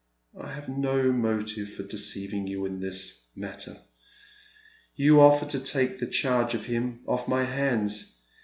"I have no motive for deceiving you in this matter. You offer to take the charge of him off my hands.